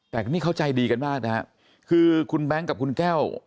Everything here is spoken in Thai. แต่นี่เขาใจดีกันมากนะฮะคือคุณแบงค์กับคุณแก้ว